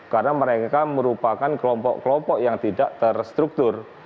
karena mereka merupakan kelompok kelompok yang tidak terstruktur